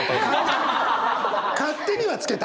勝手には付けた。